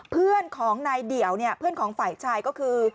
เพื่อนของนายเดี่ยวเนี่ยเพื่อนของฝ่ายชายก็คือ